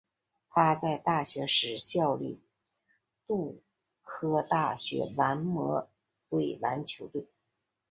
他在大学时效力杜克大学蓝魔鬼篮球队。